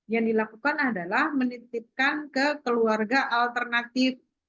yang dilakukan adalah menitipkan ke keluarga alternatif